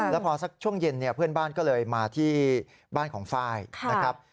แล้วพอสักช่วงเย็นเนี่ยเพื่อนบ้านก็เลยมาที่บ้านของไฟล์นะครับ